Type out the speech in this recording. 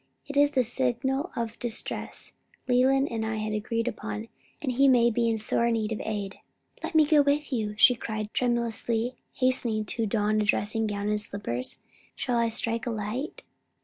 "It is the signal of distress Leland and I had agreed upon, and he may be in sore need of aid." "Let me go with you!" she cried tremulously, hastening to don dressing gown and slippers. "Shall I strike a light?"